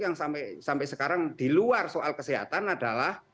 yang sampai sekarang di luar soal kesehatan adalah